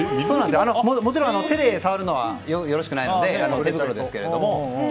もちろん手で触るのはよろしくないんですけれども。